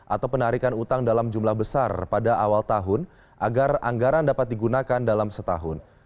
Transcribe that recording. atau penarikan utang dalam jumlah besar pada awal tahun agar anggaran dapat digunakan dalam setahun